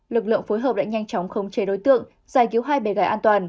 lực lượng phối hợp đã nhanh chóng khống chế đối tượng giải cứu hai bé gái an toàn